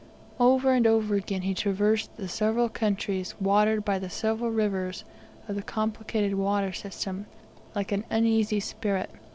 Over and over again he traversed the several countries watered by the several rivers of the complicated water system, like an uneasy spirit.